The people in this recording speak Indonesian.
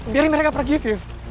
biarin mereka pergi fit